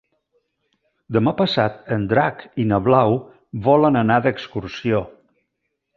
Demà passat en Drac i na Blau volen anar d'excursió.